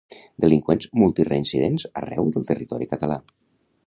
Delinqüents multireincidents arreu del territori català